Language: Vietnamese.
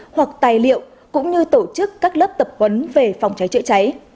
hoặc tài liệu cũng như tổ chức các lớp tập huấn về phòng cháy chữa cháy